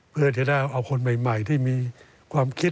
เพื่อจะได้เอาคนใหม่ที่มีความคิด